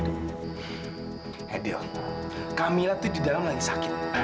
fadil kamila itu di dalam lagi sakit